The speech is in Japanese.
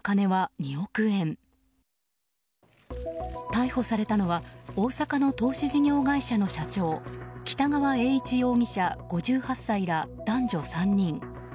逮捕されたのは大阪の投資事業会社の社長北川栄一容疑者、５８歳ら男女３人。